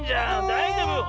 だいじょうぶ？